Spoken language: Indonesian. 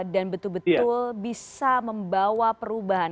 betul betul bisa membawa perubahan